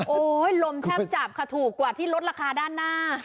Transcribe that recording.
โอ้โหลมแทบจับค่ะถูกกว่าที่ลดราคาด้านหน้า